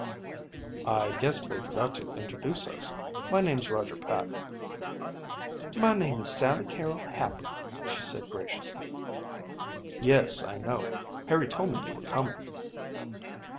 "I guess they forget to introduce us. My name's Roger Patton." "My name is Sally Carrol Happer," she said graciously. "Yes, I know. Harry told me you were coming."